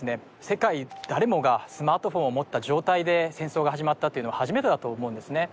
世界誰もがスマートフォンを持った状態で戦争が始まったっていうのは初めてだと思うんですね